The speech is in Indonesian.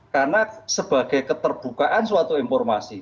karena sebagai keterbukaan suatu informasi